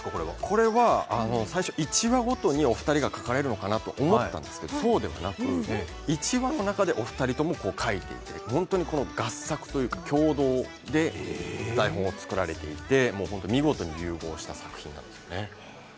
これは最初１話ごとにお二人が書かれるのかと思ったらそうではなくて１話の中でも２人とも書いていて本当に合作というか共同で台本を作られていて見事に融合した作品なんですよね。